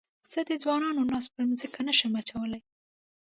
زه د ځوانانو ناز پر مځکه نه شم اچولای.